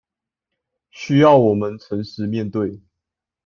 需要我們誠實面對